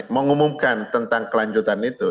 mengumumkan tentang kelanjutan itu